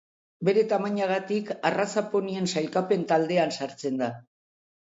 Bere tamainagatik arraza ponien sailkapen taldean sartzen da.